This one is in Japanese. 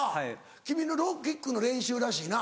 君のローキックの練習らしいな？